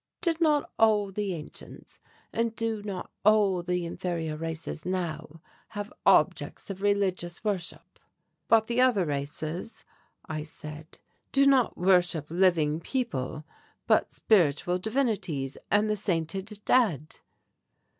Did not all the ancients, and do not all the inferior races now, have objects of religious worship?" "But the other races," I said, "do not worship living people but spiritual divinities and the sainted dead.